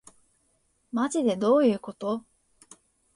まじでどういうこと